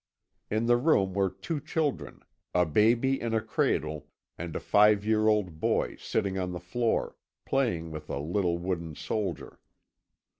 In the room were two children a baby in a cradle, and a five year old boy sitting on the floor, playing with a little wooden soldier.